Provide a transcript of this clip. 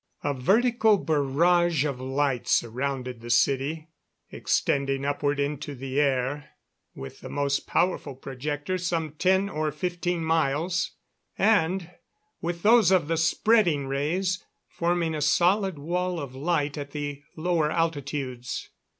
A vertical barrage of light surrounded the city, extending upward into the air with the most powerful projectors some ten or fifteen miles, and, with those of the spreading rays, forming a solid wall of light at the lower altitudes.